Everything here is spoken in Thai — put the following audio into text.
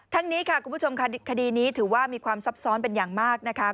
นี้ค่ะคุณผู้ชมค่ะคดีนี้ถือว่ามีความซับซ้อนเป็นอย่างมากนะคะ